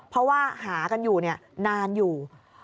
เพราะว่าหากันอยู่นานอยู่